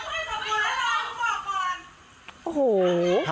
บอกแล้วว่าไม่ใช้อาหารหัวทำไมใช้อาหารหัวล่ะทำแบบนี้ล่ะคุณผู้ชม